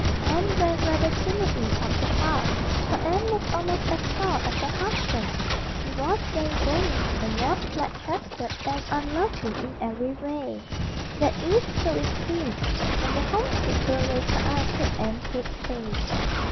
Nan went rather timidly up the path. Her aunt was almost as tall as her husband. She was very bony and was flat chested and unlovely in every way. That is, so it seemed, when the homesick girl raised her eyes to Aunt Kate's face.